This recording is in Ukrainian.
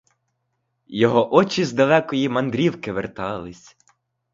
Його очі з далекої мандрівки вертались.